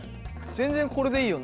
全然これでいいよね。